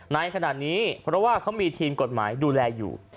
ในขณะนี้เพราะว่าเขามีทีมกฎหมายดูแลอยู่